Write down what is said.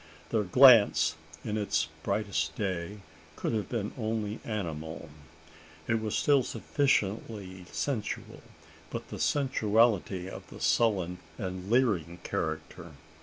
Their glance, in its brightest day, could have been only animal. It was still sufficiently sensual; but sensuality of a sullen and leering character.